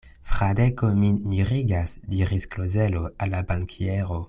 Fradeko min mirigas, diris Klozelo al la bankiero.